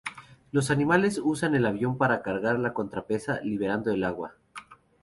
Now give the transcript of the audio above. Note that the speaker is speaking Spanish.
Los animales usan el avión para cargar contra la presa, liberando el agua.